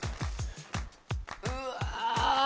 うわ！